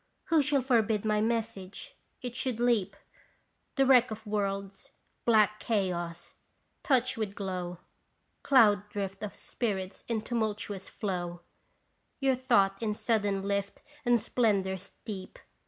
Who shall forbid my message? It should leap The wreck of worlds, black chaos, touch with glow Cloud drift of spirits in tumultuous flow, Your thought in sudden lift and splendor steep